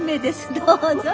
どうぞ。